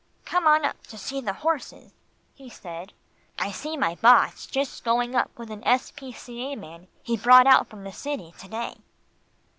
"Come on up to see the horses," he said. "I see my boss just going up with an S. P. C. A. man he brought out from the city to day."